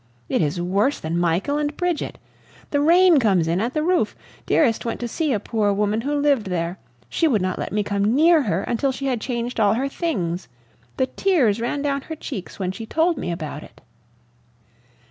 It is worse than Michael and Bridget! The rain comes in at the roof! Dearest went to see a poor woman who lived there. She would not let me come near her until she had changed all her things. The tears ran down her cheeks when she told me about it!"